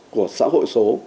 của xã hội số